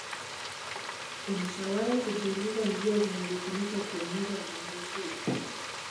ulishawahi kujiuliza njia zinazotumika kueneza ugonjwa huu